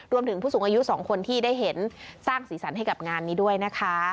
ผู้สูงอายุสองคนที่ได้เห็นสร้างสีสันให้กับงานนี้ด้วยนะคะ